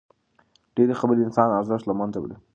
ډېري خبري د انسان ارزښت له منځه وړي.